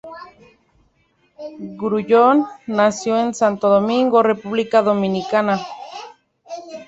Grullón nació en Santo Domingo, República Dominicana.